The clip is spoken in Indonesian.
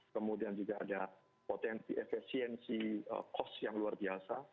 kemudian juga ada potensi efisiensi cost yang luar biasa